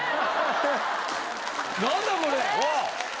何だこれ！